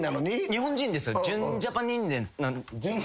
日本人です。